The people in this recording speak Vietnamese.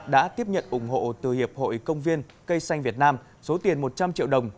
đã tiếp nhận ủng hộ từ hiệp hội công viên cây xanh việt nam số tiền một trăm linh triệu đồng